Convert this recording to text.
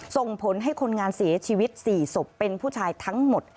ส่งผลให้คนงานเสียชีวิต๔ศพเป็นผู้ชายทั้งหมด